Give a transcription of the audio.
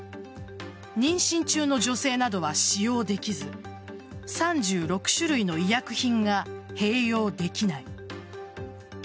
妊娠中の女性などは使用できず３６種類の医薬品が併用できない。